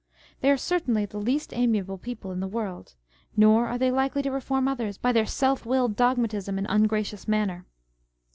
1 They are certainly the least amiable people in the world. Nor are they likely to reform others by their self willed dogmatism and ungracious manner.